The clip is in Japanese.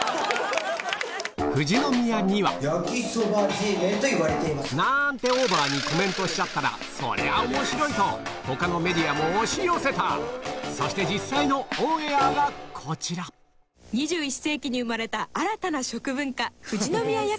富士宮にはなんてオーバーにコメントしちゃったら「そりゃあ面白い！」とそして実際のオンエアがこちら２１世紀に生まれた新たな食文化富士宮やきそば。